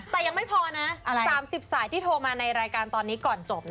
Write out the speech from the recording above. แต่ยังไม่พอนะ๓๐สายที่โทรมาในรายการตอนนี้ก่อนจบ